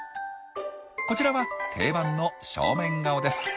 こちらは定番の正面顔です。